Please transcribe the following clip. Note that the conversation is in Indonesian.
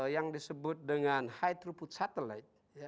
yang disebut dengan high troput satelit